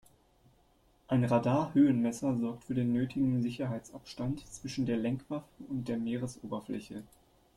Ein Radar-Höhenmesser sorgt für den nötigen Sicherheitsabstand zwischen der Lenkwaffe und der Meeresoberfläche.